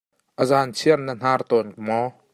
A zaanchiar na hnar tawn maw?